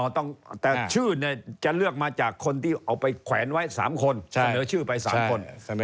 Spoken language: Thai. แต่ชื่อจะเลือกมาจากคนที่เอาไปแขวนไว้๓คนเสนอชื่อไป๓คน